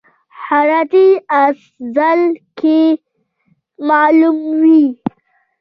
هراتی اس ځل کې معلوم وي.